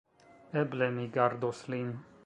Eble mi gardos lin.